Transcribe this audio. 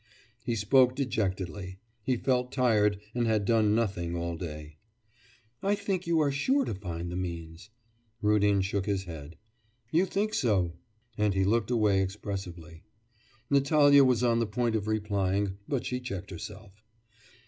He spoke dejectedly; he felt tired, and had done nothing all day. 'I think you are sure to find the means.' Rudin shook his head. 'You think so!' And he looked away expressively. Natalya was on the point of replying, but she checked herself.